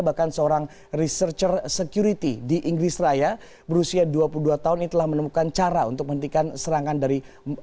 bahkan seorang researcher security di inggris raya berusia dua puluh dua tahun ini telah menemukan cara untuk menghentikan serangan dari